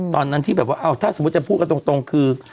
ตอนนั้นที่แบบว่าถ้าสมมุติจะพูดกันตรงคือ